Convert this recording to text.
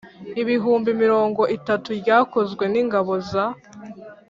ibihumbi mirongo itatu ryakozwe n'ingabo za